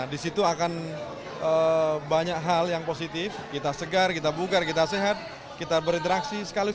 disitu akan banyak hal yang positif kita segar kita buka kita sehat kita berinteraksi sekali